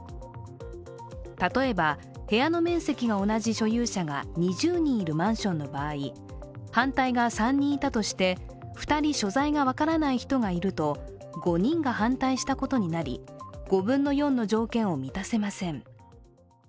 例えば部屋の面積が同じ所有者が２０人いるマンションの場合反対が３人いたとして、２人所在が分からない人がいると５人が反対したことになり、５分の４の条件を満たせません。